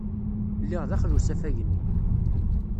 Lliɣ daxel usafag-nni.